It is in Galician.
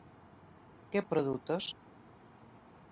¿Que produtos?